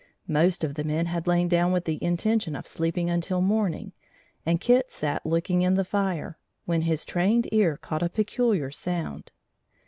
Most of the men had lain down with the intention of sleeping until morning, and Kit sat looking in the fire, when his trained ear caught a peculiar sound.